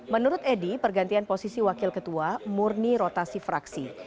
menurut edi pergantian posisi wakil ketua murni rotasi fraksi